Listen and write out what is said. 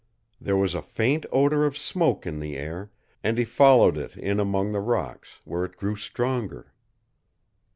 There was a faint odor of smoke in the air, and he followed it in among the rocks, where it grew stronger.